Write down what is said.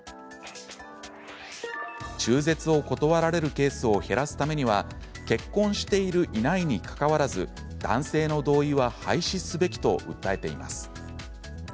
中絶を断られるケースを減らすためには結婚している・いないにかかわらず男性の同意は廃止すべきと訴えています。